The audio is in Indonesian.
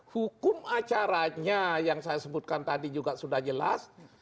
hukum acaranya yang saya sebutkan tadi juga sudah jelas